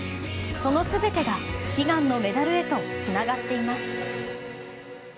その全てが悲願のメダルへとつながっています。